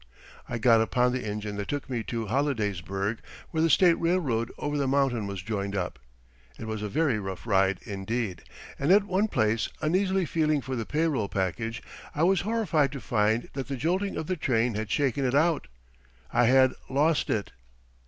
I got upon the engine that took me to Hollidaysburg where the State railroad over the mountain was joined up. It was a very rough ride, indeed, and at one place, uneasily feeling for the pay roll package, I was horrified to find that the jolting of the train had shaken it out. I had lost it!